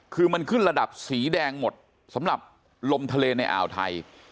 คือมันขึ้นระดับสีแดงหมดสำหรับลมทะเลในอ่าวไทย